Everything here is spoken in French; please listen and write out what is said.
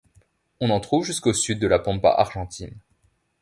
On en trouve jusqu'au sud de la pampa argentine.